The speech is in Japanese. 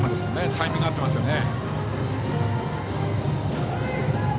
タイミングが合っていますね。